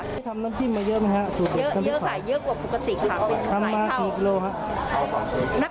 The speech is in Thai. แล้วชาติต่างจังหวัดวันที่๑๗นี้นะคะ